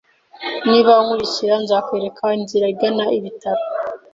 Niba unkurikira, nzakwereka inzira igana ibitaro.